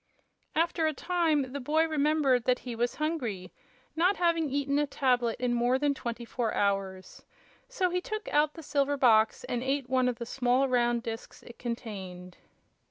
After a time the boy remembered that he was hungry, not having eaten a tablet in more than twenty four hours. So he took out the silver box and ate one of the small, round disks it contained.